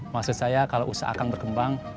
maksud saya kalau usaha akang berkembang